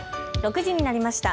６時になりました。